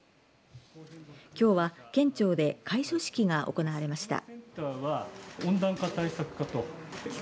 きょうは県庁で開所式が行われました。